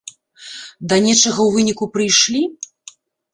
Да нечага ў выніку прыйшлі?